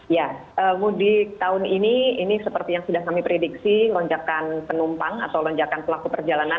ya mudik tahun ini ini seperti yang sudah kami prediksi lonjakan penumpang atau lonjakan pelaku perjalanan